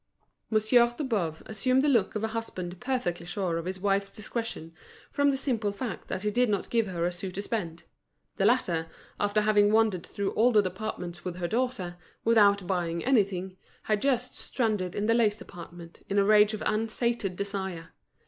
Monsieur de Boves assumed the look of a husband perfectly sure of his wife's discretion, from the simple fact that he did not give her a sou to spend. The latter, after having wandered through all the departments with her daughter, without buying anything, had just stranded in the lace department in a rage of unsated desire.